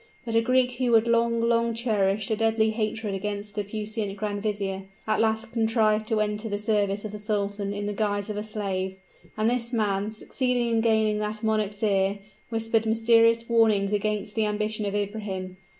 But a Greek who had long, long cherished a deadly hatred against the puissant grand vizier, at last contrived to enter the service of the sultan in the guise of a slave; and this man, succeeding in gaining that monarch's ear, whispered mysterious warnings against the ambition of Ibrahim.